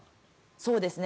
そうですね。